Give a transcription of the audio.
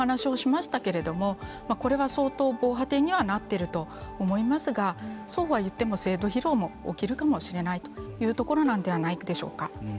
先ほど規制のお話をしましたけどこれは相当、防波堤にはなっていると思いますがそうは言っても制度疲労も起きるかもしれないというところではないでしょうか。